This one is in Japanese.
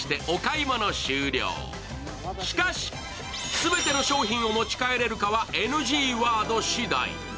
全ての商品を持ち帰れるかはＮＧワードしだい。